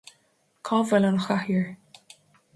Cá bhfuil an chathaoir